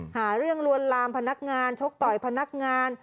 หาเรื่องลวนลามพนักงานชกต่อยพนักงาน